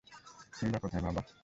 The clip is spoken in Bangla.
সিম্বা কোথায় বাবা?